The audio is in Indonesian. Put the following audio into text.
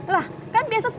lah kan biasa rp sepuluh